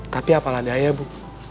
tapi apalah daya bu